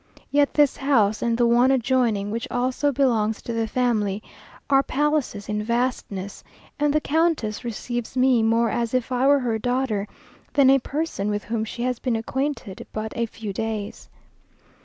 Yet this house, and the one adjoining, which also belongs to the family, are palaces in vastness, and the Countess receives me more as if I were her daughter, than a person with whom she has been acquainted but a few days.